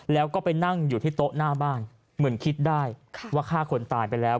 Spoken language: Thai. แล้วก็ไปนั่งอยู่ที่โต๊ะหน้าบ้านเหมือนคิดได้ว่าฆ่าคนตายไปแล้ว